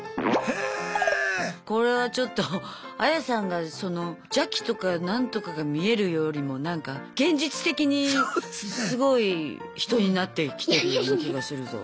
これはちょっとアヤさんが邪気とか何とかが見えるよりもなんか現実的にすごい人になってきてるような気がするぞ。